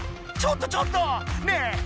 ちょっとちょっとねえ